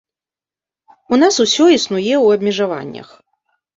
У нас усё існуе ў абмежаваннях.